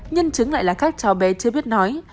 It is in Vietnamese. nhân chứng lại là các cháu bé chưa biết nói